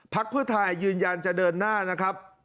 เพื่อไทยยืนยันจะเดินหน้านะครับ